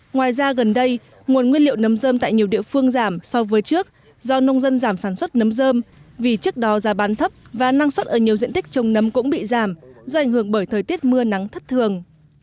ngoài ra gần đây nguồn nguyên liệu nấm dơm tại nhiều địa phương giảm so với trước do nông dân giảm sản xuất nấm dơm vì trước đó giá bán thấp và năng suất ở nhiều diện tích trồng nấm cũng bị giảm do ảnh hưởng bởi thời tiết mưa nắng thất thường